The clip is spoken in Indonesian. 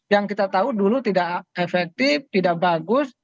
yang kita tahu dulu tidak efektif tidak bagus